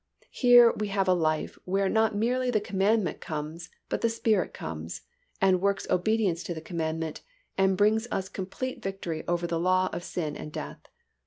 Here we have a life where not merely the commandment comes but the Spirit comes, and works obedience to the commandment and brings us complete victory over the law of sin and death.